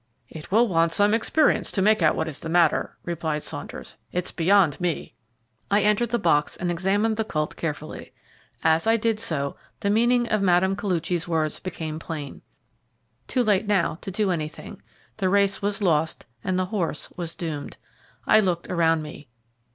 "It will want some experience to make out what is the matter," replied Saunders; "it's beyond me." I entered the box and examined the colt carefully. As I did so the meaning of Mme. Koluchy's words became plain. Too late now to do anything the race was lost and the horse was doomed. I looked around me.